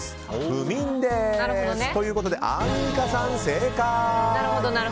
不眠です。ということでアンミカさん正解。